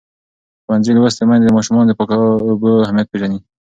ښوونځې لوستې میندې د ماشومانو د پاکو اوبو اهمیت پېژني.